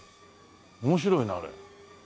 面白いなあれ。